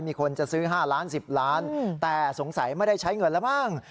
มีคนจะซื้อ๕ล้าน๑๐ล้านแต่สงสัยไม่ได้ใช้เงินแล้วมั้ง